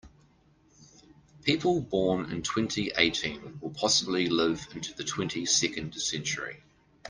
People born in twenty-eighteen will possibly live into the twenty-second century.